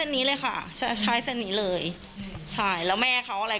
พี่ยังไม่ด่าแม่เขาเลย